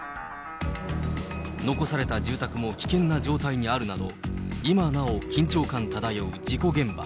残された住宅も危険な状態にあるなど、今なお緊張感漂う事故現場。